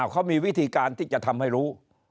เขามีวิธีการที่จะทำให้รู้